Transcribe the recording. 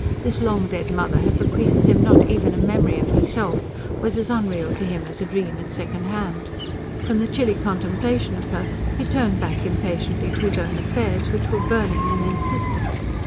This long dead mother had bequeathed him not even a memory of herself was as unreal to him as a dream at second hand. From the chilly contemplation of her he turned back impatiently to his own affairs, which were burning, insistent.